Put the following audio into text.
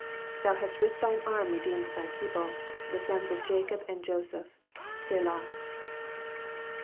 15 Thou hast with thine arm redeemed thy people, the sons of Jacob and Joseph. Selah.